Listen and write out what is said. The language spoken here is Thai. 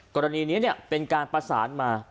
กรณีนี้เป็นการประสานมา